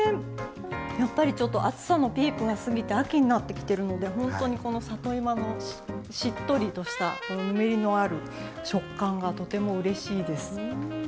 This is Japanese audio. やっぱり、暑さのピークが過ぎて秋になってきてるので本当に、里芋のしっとりとしたぬめりのある食感がとてもうれしいです。